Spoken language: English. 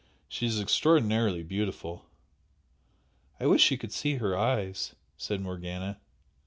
She is extraordinarily beautiful!" "I wish you could see her eyes!" said Morgana.